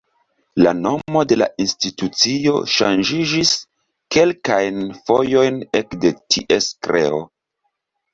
La nomo de la institucio ŝanĝiĝis kelkajn fojojn ekde ties kreo.